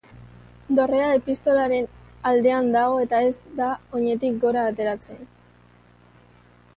Dorrea Epistolaren aldean dago eta ez da oinetik gora ateratzen.